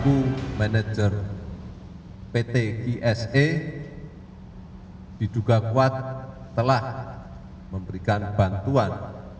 ketan selaku manajer pt kse diduga kuat telah memberikan bantuan